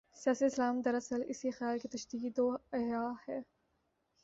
'سیاسی اسلام‘ دراصل اسی خیال کی تجدید و احیا ہے۔